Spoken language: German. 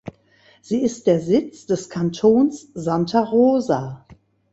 Sie ist der Sitz des Kantons Santa Rosa.